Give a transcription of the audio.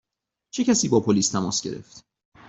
چه کسی با پلیس تماس گرفت؟